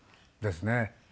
ですね。